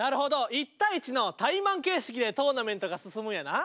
１対１のタイマン形式でトーナメントが進むんやな。